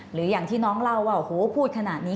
หรืออย่างที่น้องเล่าว่าโหพูดขนาดนี้